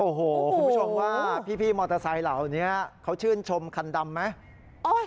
โอ้โหคุณผู้ชมว่าพี่มอเตอร์ไซค์เหล่านี้เขาชื่นชมคันดำไหม